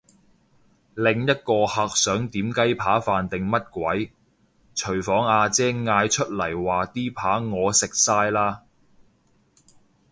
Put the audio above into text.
另一個客想點雞扒飯定乜鬼，廚房阿姐嗌出嚟話啲扒我食晒嘞！